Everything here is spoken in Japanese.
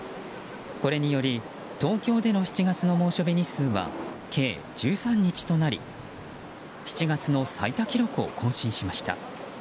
これにより、東京での７月の猛暑日日数は計１３日となり７月の最多記録を更新しました。